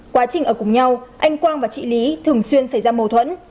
quá trình ở cùng nhau anh quang và chị lý thường xuyên xảy ra mâu thuẫn